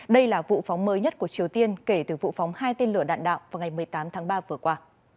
đây là vụ phóng mới nhất của triều tiên kể từ vụ phóng hai tên lửa đạn đạo vào ngày một mươi tám tháng ba vừa qua